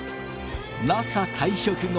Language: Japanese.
ＮＡＳＡ退職後